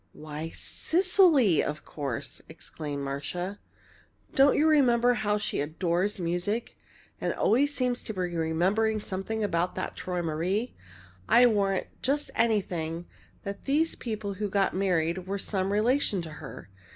"Why, Cecily, of course!" exclaimed Marcia. "Don't you remember how she adores music and always seems to be remembering something about that 'Träumerei'? I'll warrant just anything that these people who got married were some relation to her!